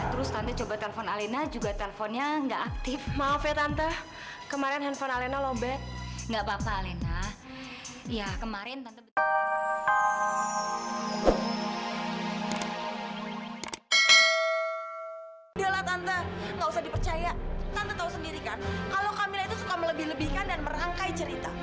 tante tau sendiri kan kalau kamila itu suka melebih lebihkan dan merangkai cerita